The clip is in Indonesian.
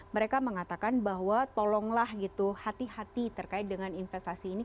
mereka mengatakan bahwa tolonglah gitu hati hati terkait dengan investasi ini